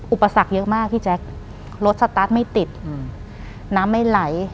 อุปสรรคเยอะมากพี่แจ๊ครถสตาร์ทไม่ติดน้ำไม่ไหล